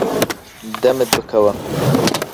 دەمت بکەوە.